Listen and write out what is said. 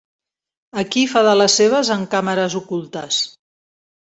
Aquí fa de les seves amb càmeres ocultes.